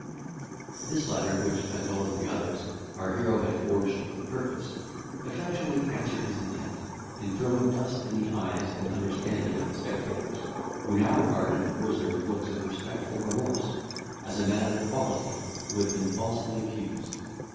This letter, which, as well as the others, our hero had forged for the purpose, effectually answered his intent, in throwing dust in the eyes and understanding of the spectators, who now regarded the prisoner with looks of respectful remorse, as a man of quality who had been falsely accused.